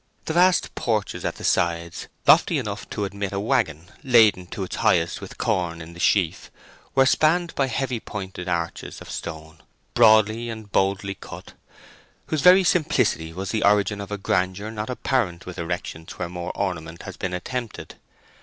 The vast porches at the sides, lofty enough to admit a waggon laden to its highest with corn in the sheaf, were spanned by heavy pointed arches of stone, broadly and boldly cut, whose very simplicity was the origin of a grandeur not apparent in erections where more ornament has been attempted.